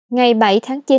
ngày bảy tháng chín